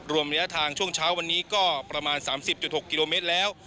รวมระยะทางช่วงเช้าประมาณสามสิบจุดหกกิโลเมตรแล้ว